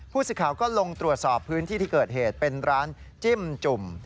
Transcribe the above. สิทธิ์ก็ลงตรวจสอบพื้นที่ที่เกิดเหตุเป็นร้านจิ้มจุ่ม